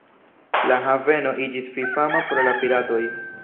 La haveno iĝis fifama pro la piratoj.